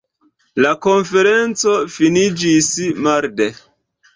La konferenco finiĝis marde.